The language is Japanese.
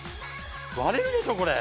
割れるでしょこれ！